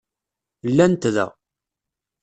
Llant da.